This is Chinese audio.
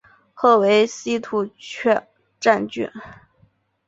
后为西突厥占据。